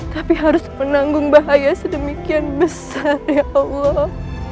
tapi harus menanggung bahaya sedemikian besar ya allah